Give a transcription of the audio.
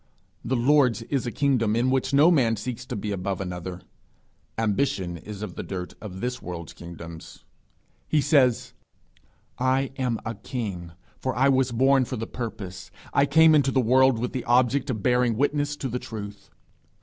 The Lord's is a kingdom in which no man seeks to be above another: ambition is of the dirt of this world's kingdoms. He says, 'I am a king, for I was born for the purpose, I came into the world with the object of bearing witness to the truth.